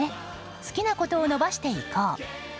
好きなことを伸ばしていこう。